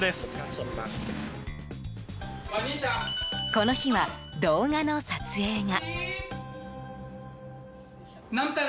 この日は、動画の撮影が。